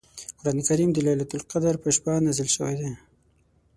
قران کریم د لیلة القدر په شپه نازل شوی دی .